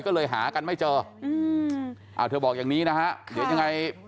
ก็เลยหากันไม่เจออืมอ่าเธอบอกอย่างนี้นะฮะเดี๋ยวยังไง